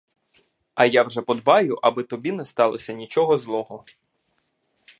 А я вже подбаю, аби тобі не сталося нічого злого.